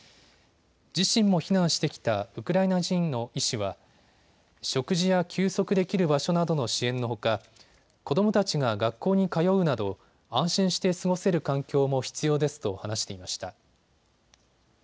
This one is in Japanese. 自身も避難してきたウクライナ人の医師は食事や休息できる場所などの支援のほか子どもたちが学校に通うなど安心して過ごせる環境も必要ですと話していました。